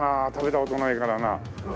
あ食べた事ないからな。